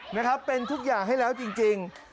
นะครับเป็นทุกอย่างให้แล้วจริง